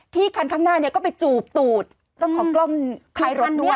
คันข้างหน้าเนี่ยก็ไปจูบตูดเจ้าของกล้องท้ายรถด้วย